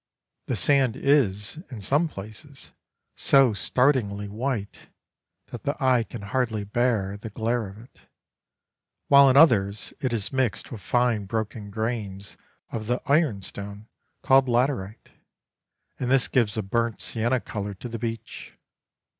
The sand is, in some places, so startlingly white that the eye can hardly bear the glare of it, while in others it is mixed with fine broken grains of the ironstone called laterite, and this gives a burnt sienna colour to the beach.